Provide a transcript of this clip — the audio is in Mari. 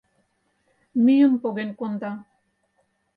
Мӱйым поген конда.